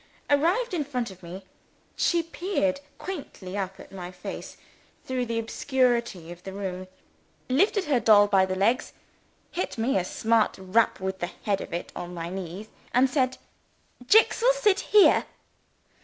Arrived in front of me, she peered quaintly up at my face, through the obscurity of the room; lifted her doll by the legs; hit me a smart rap with the head of it on my knee; and said "Jicks will sit here."